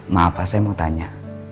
maaf pak saya mau tanya